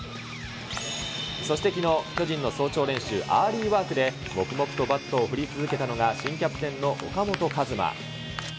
そしてきのう、巨人の早朝練習、アーリーワークで、黙々とバットを振り続けたのが、新キャプテンの岡本和真。